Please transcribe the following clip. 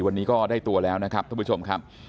วันนี้ก็ได้ตัวแล้วนะครับท่านผู้ชมครับ